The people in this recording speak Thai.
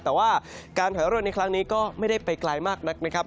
แต่ว่าการถอยร่นในครั้งนี้ก็ไม่ได้ไปไกลมากนักนะครับ